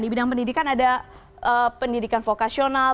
di bidang pendidikan ada pendidikan vokasional